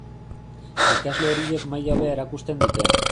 Ikasle horiek maila hobea erakusten dute.